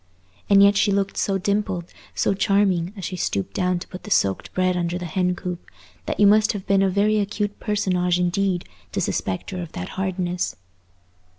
And yet she looked so dimpled, so charming, as she stooped down to put the soaked bread under the hen coop, that you must have been a very acute personage indeed to suspect her of that hardness.